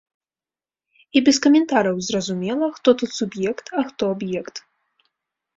І без каментараў зразумела, хто тут суб'ект, а хто аб'ект.